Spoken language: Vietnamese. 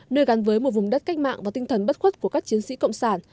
nơi gắn với một vùng đất cách mạng và tinh thần bất khuất của các chiến sĩ cộng sản